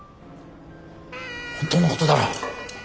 本当のことだろ。